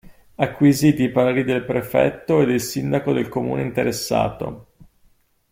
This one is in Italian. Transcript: Acquisiti i pareri del prefetto e del sindaco del comune interessato.